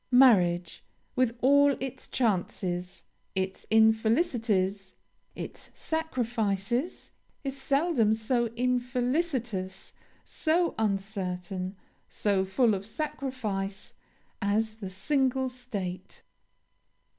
Marriage, with all its chances, its infelicities, its sacrifices, is seldom so infelicitous, so uncertain, so full of sacrifice, as the single state.